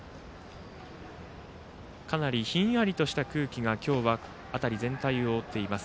かなりひんやりとした空気が今日は辺り全体を覆っています。